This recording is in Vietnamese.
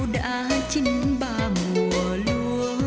tiếng tình yêu